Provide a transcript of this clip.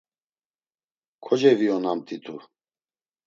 Koceviyonamt̆itu.